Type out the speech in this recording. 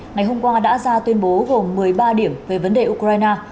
ngày hôm qua đã ra tuyên bố gồm một mươi ba điểm về vấn đề ukraine